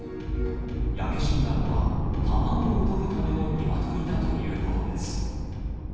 焼け死んだのは、卵を採るための鶏だということです。